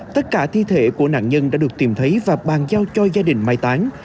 tất cả thi thể của nạn nhân đã được tìm thấy và bàn giao cho gia đình mai tán